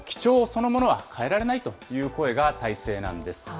そのものは変えられないという声が大勢なんです。